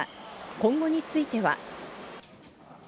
今後については。